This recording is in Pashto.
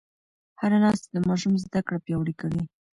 هره ناسته د ماشوم زده کړه پیاوړې کوي.